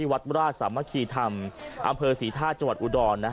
ที่วัดราชสามะคีธรรมอำเภอศรีธาสตร์จัวร์อุดร